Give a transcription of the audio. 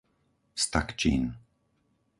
Stakčín